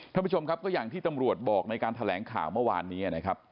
ท่านผู้ชมครับก็อย่างที่ตำรวจบอกในการแถลงข่าวเมื่อวานนี้นะครับ